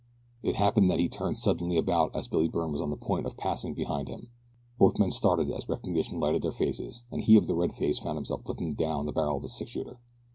It happened that he turned suddenly about as Billy Byrne was on the point of passing behind him. Both men started as recognition lighted their faces and he of the red face found himself looking down the barrel of a six shooter.